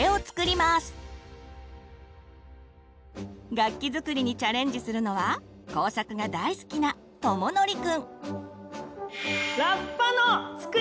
楽器作りにチャレンジするのは工作が大好きなとものりくん。